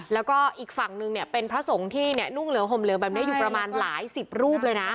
แล้วก็อีกฝั่งนึงเนี่ยเป็นพระสงฆ์ที่นุ่งเหลืองห่มเหลืองแบบนี้อยู่ประมาณหลายสิบรูปเลยนะ